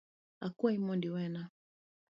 Akwayi mondo iwena.